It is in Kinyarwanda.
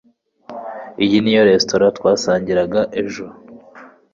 iyo niyo resitora twasangiraga ejo